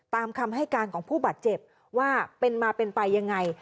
ตามคำให้การของผู้บาดเจ็บว่าเป็นมาเป็นไปยังไง